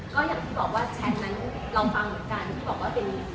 ก็อย่างที่บอกว่าแชตนั้นเราฟังกัน